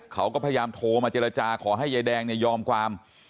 เขาก็พยายามโทรมาเจรจาขอให้ยายแดงเนี่ยยอมความ